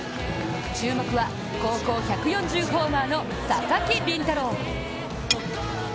注目は高校１４０ホーマーの佐々木麟太郎。